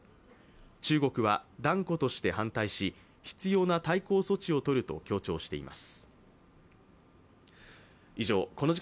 中国は断固として反対し、必要な対抗措置をとると強調しています。